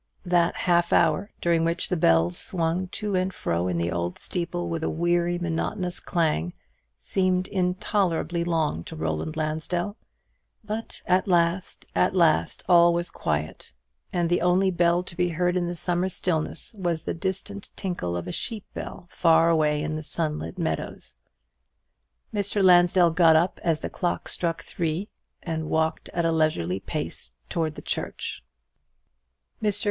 That half hour, during which the bells swung to and fro in the old steeple with a weary monotonous clang, seemed intolerably long to Roland Lansdell; but at last, at last, all was quiet, and the only bell to be heard in the summer stillness was the distant tinkle of a sheep bell far away in the sunlit meadows. Mr. Lansdell got up as the clock struck three, and walked at a leisurely pace to the church. Mr.